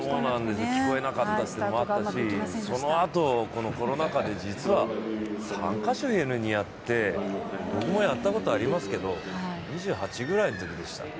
そういうこともあったしそのあとコロナ禍で実は３カ所ヘルニアって、僕もやったことありますけど、２８ぐらいのときでした。